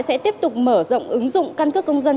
sẽ tiếp tục mở rộng ứng dụng căn cước công dân